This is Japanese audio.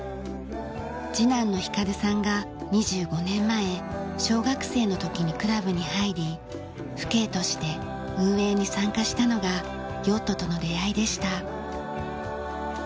次男の玄さんが２５年前小学生の時にクラブに入り父兄として運営に参加したのがヨットとの出会いでした。